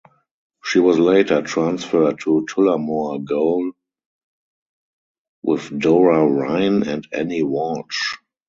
She was later transferred to Tullamore Gaol with Dora Ryan and Annie Walsh.